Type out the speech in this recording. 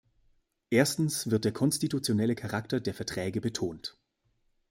Erstens wird der konstitutionelle Charakter der Verträge betont.